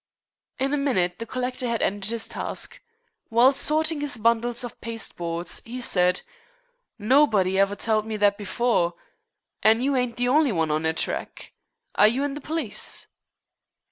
In a minute the collector had ended his task. While sorting his bundles of pasteboards he said: "Nobody ever tell'd me that before. An' you ain't the only one on 'er track. Are you in the police?"